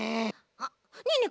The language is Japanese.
あっねえねえ